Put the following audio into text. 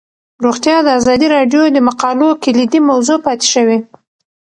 روغتیا د ازادي راډیو د مقالو کلیدي موضوع پاتې شوی.